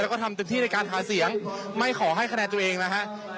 แล้วก็ทำเต็มที่ในการหาเสียงไม่ขอให้คะแนนตัวเองนะฮะ